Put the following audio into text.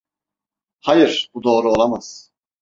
Hayır, bu doğru olamaz.